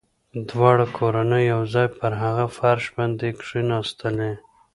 دواړه کورنۍ يو ځای پر هغه فرش باندې کښېناستلې.